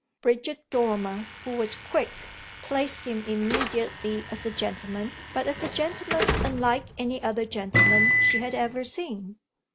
Bridget Dormer, who was quick, placed him immediately as a gentleman, but as a gentleman unlike any other gentleman she had ever seen.